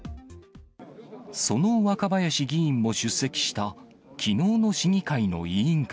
その若林議員も出席したきのうの市議会の委員会。